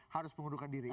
harus pengunduran diri